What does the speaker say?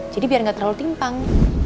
jadi biar gak terlalu timpang